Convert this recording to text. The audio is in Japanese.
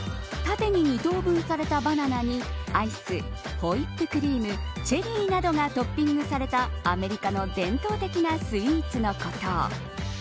縦に２等分されたバナナにアイスホイップクリームチェリーなどがトッピングされたアメリカの伝統的なスイーツのこと。